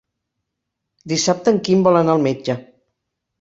Dissabte en Quim vol anar al metge.